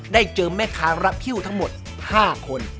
ได้เจอแม่ค้ารับคิ้วทั้งหมด๕คน